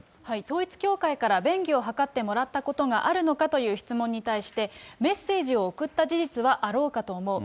統一教会から便宜を図ってもらったことがあるのかという質問に対して、メッセージを送った事実はあろうかと思う。